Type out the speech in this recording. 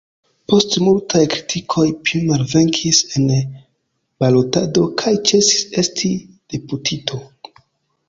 Post multaj kritikoj pi malvenkis en balotado kaj ĉesis esti deputito.